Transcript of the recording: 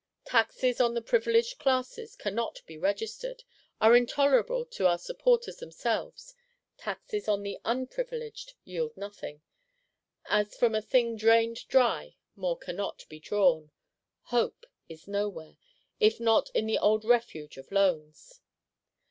Taxes on the Privileged Classes cannot be got registered; are intolerable to our supporters themselves: taxes on the Unprivileged yield nothing,—as from a thing drained dry more cannot be drawn. Hope is nowhere, if not in the old refuge of Loans.